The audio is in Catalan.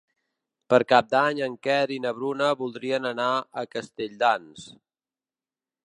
Per Cap d'Any en Quer i na Bruna voldrien anar a Castelldans.